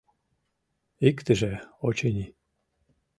— Иктыже, очыни.